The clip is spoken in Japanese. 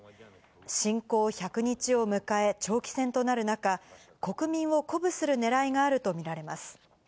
侵攻１００日を迎え、長期戦となる中、国民を鼓舞するねらいがあると見られます。